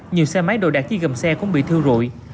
nhiều xe máy đồ đạc chi gầm xe cũng bị thư rụi